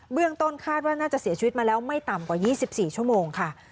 เรื่องต้นคาดว่าน่าจะเสียชีวิตมาแล้วไม่ต่ำกว่า๒๔ชั่วโมงค่ะ